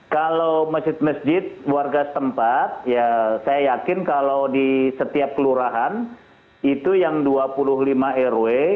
kalau masjid masjid warga setempat ya saya yakin kalau di setiap kelurahan itu yang dua puluh lima rw